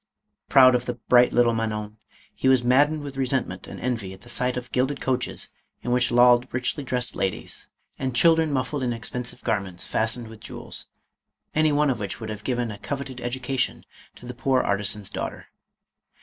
Proud of the bright little Man on, he was maddened with resentment and envy at the sight of gilded coaches in which lolled richly dressed ladies, and children muffled in expen sive garments fastened with jewels, any one of which would have given a coveted education to the poor arti san's daughter.